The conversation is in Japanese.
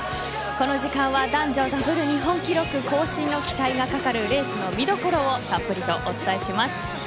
この時間は男女ダブル日本記録更新の期待がかかるレースの見どころをたっぷりとお伝えします。